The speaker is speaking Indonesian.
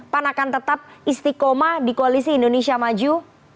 pan akan tetap istiqomah di koalisi indonesia maju